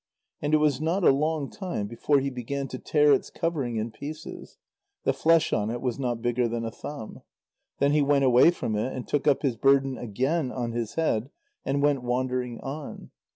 And it was not a long time before he began to tear its covering in pieces; the flesh on it was not bigger than a thumb. Then he went away from it, and took up his burden again on his head, and went wandering on.